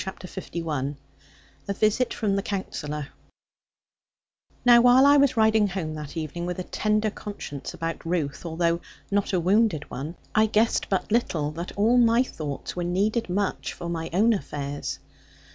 CHAPTER LI A VISIT FROM THE COUNSELLOR Now while I was riding home that evening, with a tender conscience about Ruth, although not a wounded one, I guessed but little that all my thoughts were needed much for my own affairs.